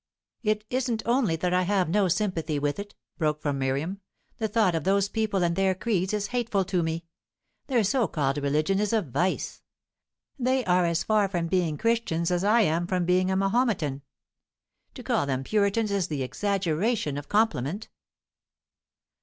"It isn't only that I have no sympathy with it," broke from Miriam. "The thought of those people and their creeds is hateful to me. Their so called religion is a vice. They are as far from being Christians as I am from being a Mahometan. To call them Puritans is the exaggeration of compliment."